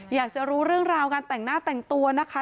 อยากจะรู้เรื่องราวการแต่งหน้าแต่งตัวนะคะ